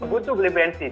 butuh beli bensin